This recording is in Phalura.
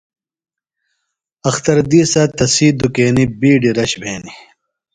اختر دِیسہ تسی دُکینیۡ بِیڈیۡ رش بھینیۡ۔